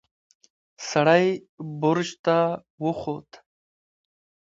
سړی برج ته وخوت.